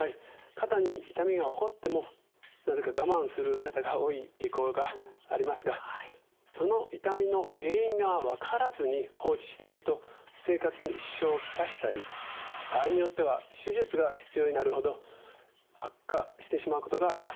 肩に痛みが起こってもなぜか我慢する方が多い傾向がありますがその痛みの原因が分からずに放置していると生活に支障を来したり場合によっては手術が必要になるほど悪化してしまうことがあります。